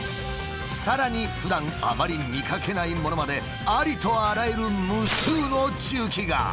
さらにふだんあまり見かけないものまでありとあらゆる無数の重機が。